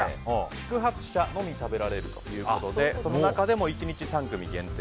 宿泊者のみ食べられるということでその中でも１日３組限定。